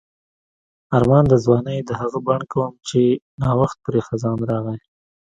آرمان د ځوانۍ د هغه بڼ کوم چې نا وخت پرې خزان راغی.